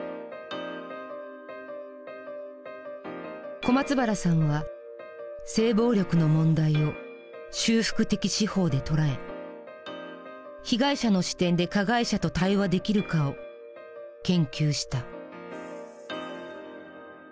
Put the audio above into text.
小松原さんは性暴力の問題を修復的司法で捉え「被害者の視点で加害者と対話できるか」を研究した。